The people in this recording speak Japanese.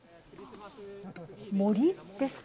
森ですか？